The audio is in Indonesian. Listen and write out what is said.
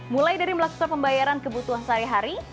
mulai dari melakukan pembayaran kebutuhan sehari hari